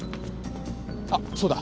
あっそうだ。